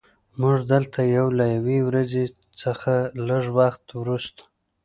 موږ دلته یو له یوې ورځې څخه لږ وخت وروسته